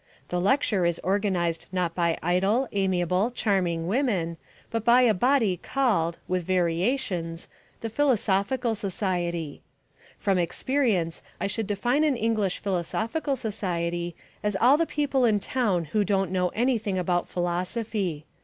The lecture is organised not by idle, amiable, charming women, but by a body called, with variations, the Philosophical Society. From experience I should define an English Philosophical Society as all the people in town who don't know anything about philosophy.